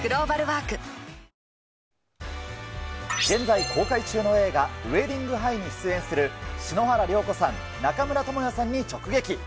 現在公開中の映画、ウェディング・ハイに出演する篠原涼子さん、中村倫也さんに直撃。